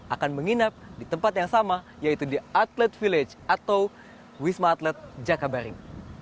akan menginap di tempat yang sama yaitu di atlet village atau wisma atlet jakabaring